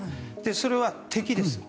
それは敵です。